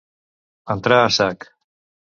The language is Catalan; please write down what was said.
Entrar a sac.